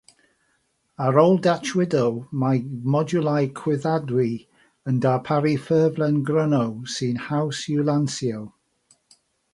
Ar ôl datchwyddo, mae modiwlau chwyddadwy yn darparu ffurflen gryno sy'n 'haws i'w lansio .